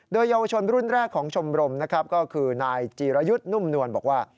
โดยเยาวชนรุ่นแรกของชมรมนะครับก็คือนายจีรยุทธ์นุ่มนวลบอกว่า